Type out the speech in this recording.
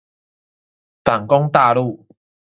反攻大陸